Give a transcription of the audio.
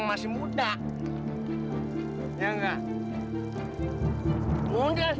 masih muda ya enggak muda sangat